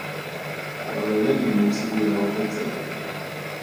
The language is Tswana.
Palo ya dinotshe e a oketsega.